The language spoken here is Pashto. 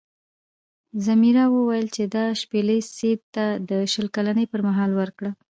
ځمیرا وویل چې دا شپیلۍ سید ته د شل کلنۍ پر مهال ورکړه.